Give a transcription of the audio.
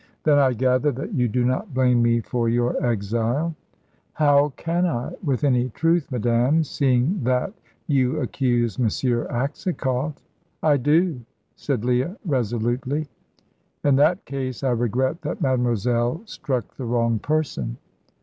"Then I gather that you do not blame me for your exile?" "How can I with any truth, madame, seeing that yon accuse M. Aksakoff?" "I do," said Leah, resolutely. "In that case I regret that Mademoiselle struck the wrong person."